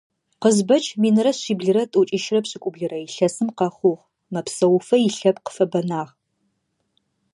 Къызбэч минрэ шъиблрэ тӀокӀищырэ пшӀыкӀублырэ илъэсым къэхъугъ, мэпсэуфэ илъэпкъ фэбэнагъ.